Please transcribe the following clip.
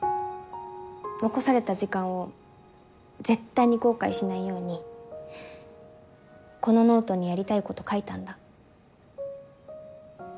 残された時間を絶対に後悔しないようにこのノートにやりたいこと書いたんだ。